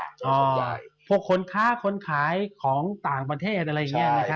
อ๋อส่วนใหญ่พวกคนค่าคนขายของต่างประเทศอะไรอย่างเงี้ยใช่